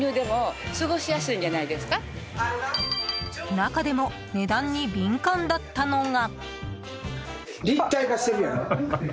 中でも値段に敏感だったのが。